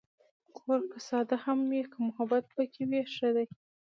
کور که ساده هم وي، که محبت پکې وي، ښه دی.